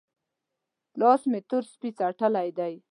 لاس مې تور سپۍ څټلی دی؟